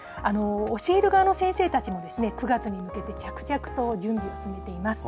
教える側の先生たちも９月に向けて着々と準備を進めています。